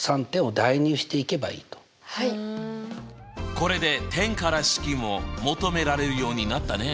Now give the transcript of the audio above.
これで点から式も求められるようになったね。